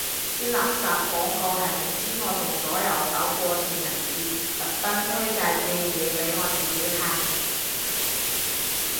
啲垃圾廣告係咪知我同左右手過情人節，特登推介正嘢俾我自己嘆